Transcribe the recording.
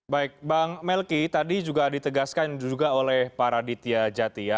baik bang melki tadi juga ditegaskan juga oleh pak raditya jati